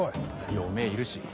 嫁いるし。